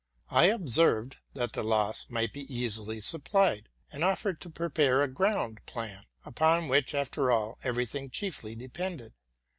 I observed, that the loss might be easily supplied, and offered to prepare a ground plan, upon which, after all, every thing chiefly depended.